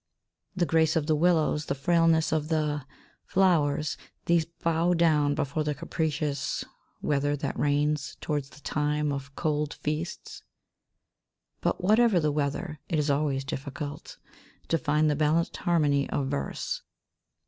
The grace of the willows, the frailness of the flowers, these bow down before the capricious weather that rains towards the time of Cold Feasts.'' But whatever the weather, it is always difficult to find the balanced harmony of verse.